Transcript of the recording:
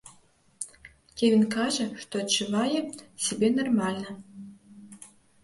Кевін кажа, што адчувае сябе нармальна.